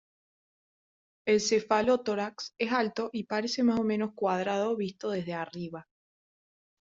El cefalotórax es alto y parece más o menos cuadrado visto desde arriba.